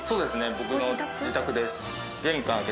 僕の自宅です。